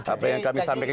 apa yang kami sampaikan